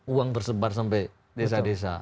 uang bersebar sampai desa desa